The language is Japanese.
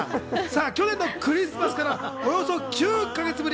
去年のクリスマスからおよそ９か月ぶり。